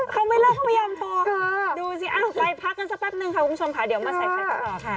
เขาไม่เลิกเขาไม่ยอมโทรค่ะดูสิไปพักกันสักแป๊บนึงค่ะคุณผู้ชมค่ะเดี๋ยวมาใส่ไข่กันต่อค่ะ